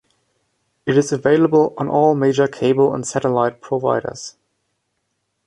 It is available on all major cable and satellite providers.